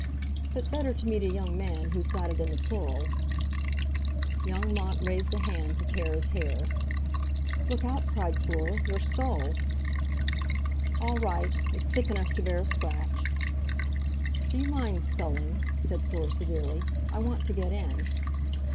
"But better to meet a young man who's got it in the plural." Young Mont raised a hand to tear his hair. "Look out!" cried Fleur. "Your scull!" "All right! It's thick enough to bear a scratch." "Do you mind sculling?" said Fleur severely. "I want to get in."